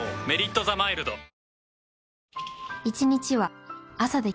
「メリットザマイルド」